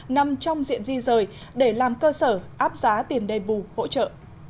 nằm trong diện di rời để làm cơ sở áp giá tiền đầy bù hỗ trợ